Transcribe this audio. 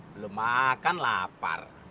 belum makan lapar